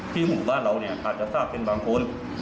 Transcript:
หมู่บ้านเราเนี่ยอาจจะทราบเป็นบางคน